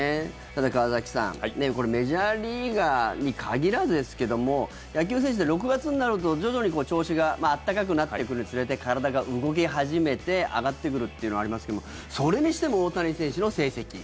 川崎さんメジャーリーガーに限らずですが野球選手って６月になると徐々に調子が暖かくなってくるにつれて体が動き始めて上がってくるというのはありますけどそれにしても大谷選手の成績。